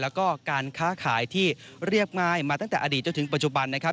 แล้วก็การค้าขายที่เรียบง่ายมาตั้งแต่อดีตจนถึงปัจจุบันนะครับ